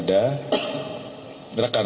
dan juga kemudian